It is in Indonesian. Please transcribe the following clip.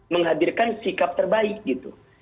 menghadirkan sikap terbaik gitu